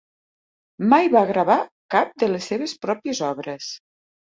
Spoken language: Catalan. Mai va gravar cap de les seves pròpies obres.